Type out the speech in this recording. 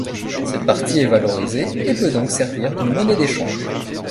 Cette partie est valorisée et peut donc servir de monnaie d'échange.